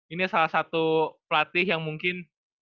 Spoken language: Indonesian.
ini salah satu pelatih yang mungkin